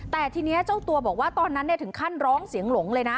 แต่ทีนี้เจ้าตัวบอกว่าตอนนั้นถึงขั้นร้องเสียงหลงเลยนะ